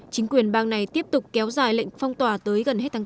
chính quyền bang này tiếp tục kéo dài lệnh phong tỏa tới gần hết tháng bốn